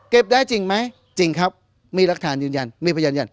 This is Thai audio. ได้จริงไหมจริงครับมีรักฐานยืนยันมีพยานยัน